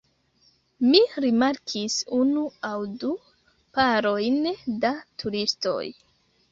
Mi rimarkis unu aŭ du parojn da turistoj.